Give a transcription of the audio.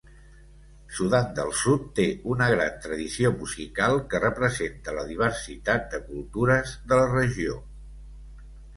Sudan del Sud té una gran tradició musical, que representa la diversitat de cultures de la regió.